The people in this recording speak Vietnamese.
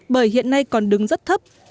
bởi hiện nay còn đứng rất thấp